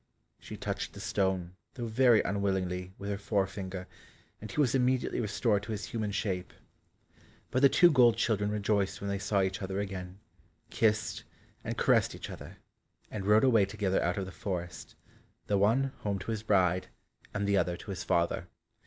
She touched the stone, though very unwillingly, with her forefinger, and he was immediately restored to his human shape. But the two gold children rejoiced when they saw each other again, kissed and caressed each other, and rode away together out of the forest, the one home to his bride, and the other to his father.